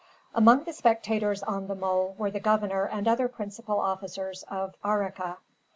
Among the spectators on the mole were the governor and other principal officers of Arica.